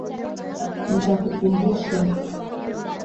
Nitakukumbusha.